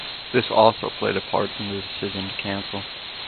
This also played a part in the decision to cancel.